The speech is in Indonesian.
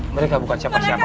mereka bukan siapa siapa